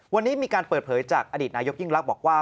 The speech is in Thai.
วันนี้มีการเปิดเผยจากอดีตนายกยิ่งลักษณ์บอกว่า